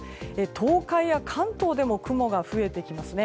東海や関東でも雲が増えてきますね。